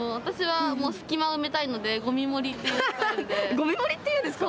ゴミ盛りっていうんですか？